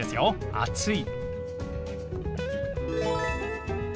「暑い」。